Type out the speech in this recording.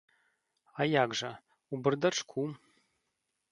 А як жа, у бардачку.